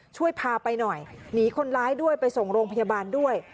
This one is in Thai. ช่วยพาไปหน่อยหนีคนร้ายด้วยไปส่งโรงพยาบาลด้วย